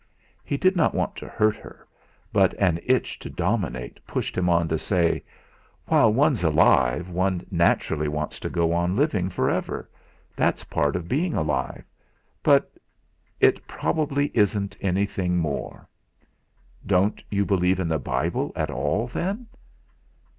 He did not want to hurt her, but an itch to dominate pushed him on to say: "While one's alive one naturally wants to go on living for ever; that's part of being alive. But it probably isn't anything more." "Don't you believe in the Bible at all, then?"